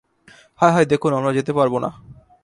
হায় হায় দেখুন, আমরা যেতে পারব না।